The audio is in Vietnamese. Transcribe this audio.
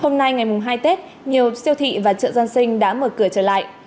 hôm nay ngày hai tết nhiều siêu thị và chợ dân sinh đã mở cửa trở lại